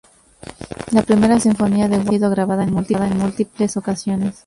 La Primera Sinfonía de Walton ha sido grabada en múltiples ocasiones.